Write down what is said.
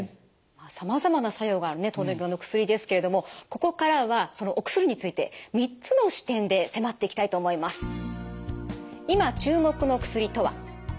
さまざまな作用がある糖尿病の薬ですけれどもここからはそのお薬について３つの視点で迫っていきたいと思います。